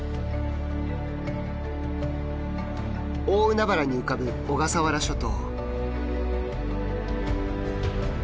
大海原に浮かぶ小笠原諸島。